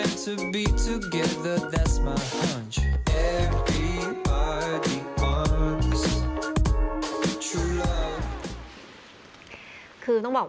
คือต้องบอกนะครับ